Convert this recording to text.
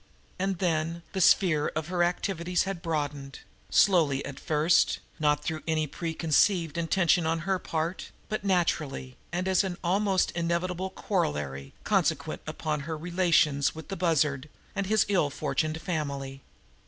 And then the sphere of her activities had broadened, slowly at first, not through any preconceived intention on her part, but naturally, and as almost an inevitable corollary consequent upon her relations with the Bussard and his ill fortuned family.